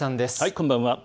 こんばんは。